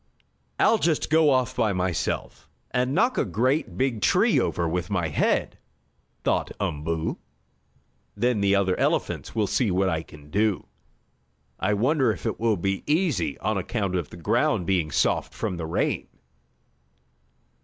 "I'll just go off by myself and knock a great big tree over with my head," thought Umboo. "Then the other elephants will see what I can do. I wonder if it will be easy, on account of the ground being soft from the rain?"